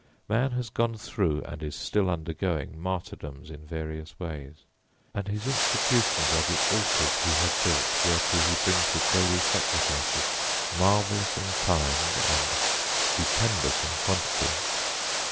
Man has gone through and is still undergoing martyrdoms in various ways, and his institutions are the altars he has built whereto he brings his daily sacrifices, marvellous in kind and stupendous in quantity.